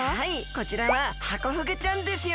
こちらはハコフグちゃんですよ。